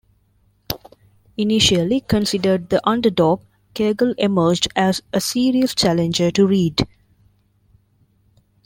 Initially considered the underdog, Cagle emerged as a serious challenger to Reed.